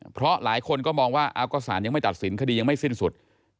เพราะหลายคนก็มองว่าก็สารยังไม่ตัดสินคดียังไม่สิ้นสุด